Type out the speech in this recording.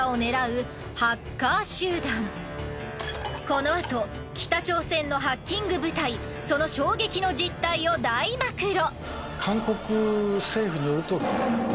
このあと北朝鮮のハッキング部隊その衝撃の実態を大暴露。